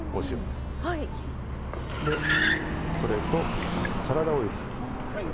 でそれとサラダオイル。